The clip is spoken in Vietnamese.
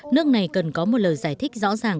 nước này cần có một lời giải thích rõ ràng